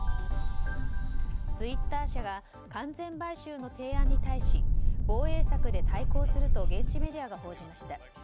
ツイッター社が完全買収の提案に対し防衛策で対抗すると現地メディアが報じました。